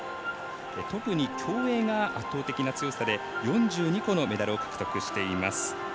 特に競泳が圧倒的な強さで４２個のメダルを獲得しています。